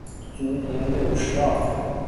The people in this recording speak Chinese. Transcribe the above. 卒年六十二。